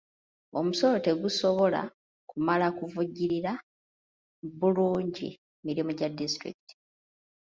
Omusolo tegusobola kumala kuvujjirira bulungi mirimu gya disitulikiti.